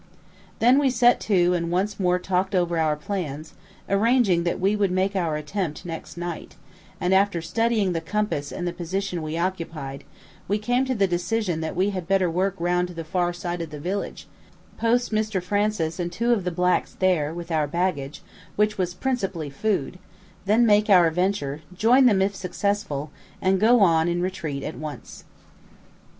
Then we set to and once more talked over our plans, arranging that we would make our attempt next night, and after studying the compass and the position we occupied we came to the decision that we had better work round to the far side of the village, post Mr Francis and two of the blacks there, with our baggage, which was principally food; then make our venture, join them if successful, and go on in retreat at once.